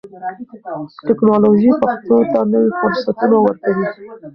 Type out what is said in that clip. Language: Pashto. ټکنالوژي پښتو ته نوي فرصتونه ورکوي.